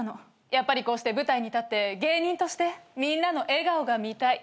やっぱりこうして舞台に立って芸人としてみんなの笑顔が見たい。